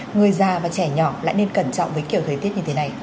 người già và trẻ nhỏ lại nên cẩn trọng với kiểu thời tiết như thế này